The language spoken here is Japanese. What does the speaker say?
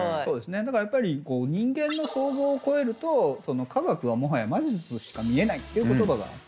だからやっぱり人間の想像を超えると科学はもはや魔術としか見えないっていう言葉があって。